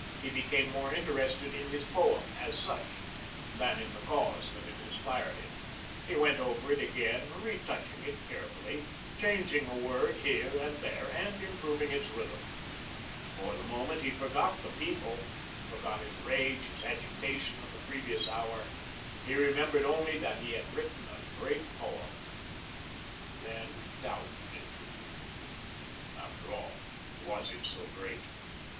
He became more interested in his poem, as such, than in the cause that had inspired it. He went over it again, retouching it carefully, changing a word here and there, and improving its rhythm. For the moment, he forgot the People, forgot his rage, his agitation of the previous hour, he remembered only that he had written a great poem. Then doubt intruded. After all, was it so great?